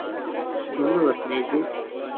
ধন্যবাদ, মেইজি।